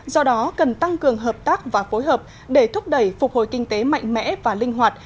do đó cần tăng cường hợp tác và phối hợp để thúc đẩy phục hồi kinh tế mạnh mẽ và linh hoạt